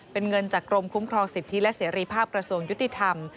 เป็นเงินจากกรมคุ้มครองสิทธิและเสรีภาพกระทรวงยุติธรรม